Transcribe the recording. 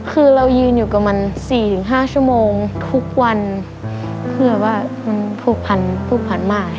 คือเรายืนอยู่กับมัน๔๕ชั่วโมงทุกวันเพื่อว่ามันผูกพันผูกพันมาก